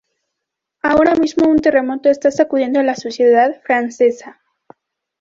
ahora mismo un terremoto está sacudiendo la sociedad francesa